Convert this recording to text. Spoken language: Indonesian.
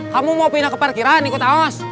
kamu mau pindah ke parkiran ikut aos